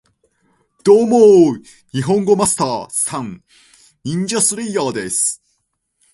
ドーモ、ニホンゴマスター＝サン！ニンジャスレイヤーです